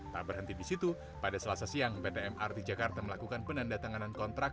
tak berhenti di situ pada selasa siang pt mrt jakarta melakukan penanda tanganan kontrak